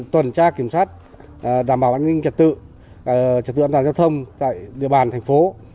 tuần tra kiểm soát đảm bảo an ninh trật tự an toàn giao thông tại địa bàn thành phố